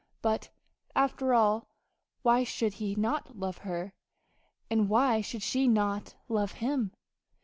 But, after all, why should he not love her? And why should she not love him?